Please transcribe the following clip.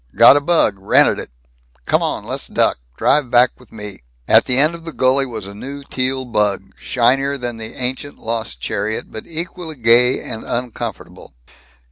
Got a bug! Rented it. Come on! Let's duck! Drive back with me!" At the end of the gully was a new Teal bug, shinier than the ancient lost chariot, but equally gay and uncomfortable.